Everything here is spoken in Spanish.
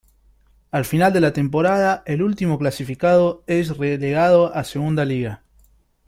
Al final de la temporada el último clasificado es relegado a Segunda Liga.